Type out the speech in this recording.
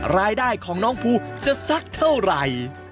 รายได้ของน้องภูจะสักเท่าไหร่